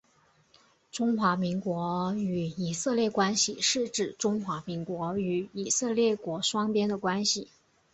中华民国与以色列关系是指中华民国与以色列国双边的关系。